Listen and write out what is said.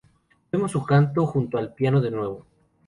Vemos su canto junto al piano de nuevo.